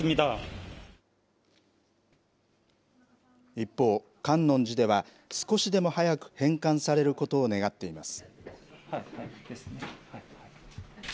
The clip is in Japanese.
一方、観音寺では少しでも早く返還されることを願っています。